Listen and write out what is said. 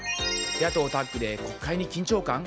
野党タッグで国会に緊張感？